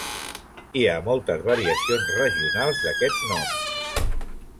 Hi ha moltes variacions regionals d'aquests noms.